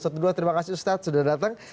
terima kasih ustadz sudah datang